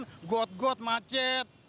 barangan got got macet